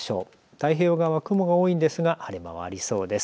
太平洋側は雲が多いですが晴れ間はありそうです。